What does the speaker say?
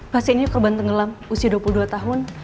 pasien ini korban tenggelam usia dua puluh dua tahun